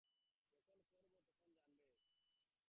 যখন করব, তখন জানবে।